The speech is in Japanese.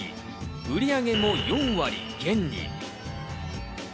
売上も４割減に。